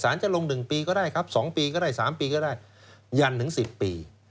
จะลง๑ปีก็ได้ครับ๒ปีก็ได้๓ปีก็ได้ยันถึง๑๐ปี